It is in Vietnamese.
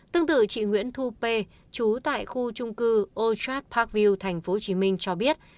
tương tự chị nguyễn thu pê chú tại khu trung cư old trat parkview tp hcm cho biết